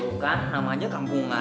tuh kan namanya kampungan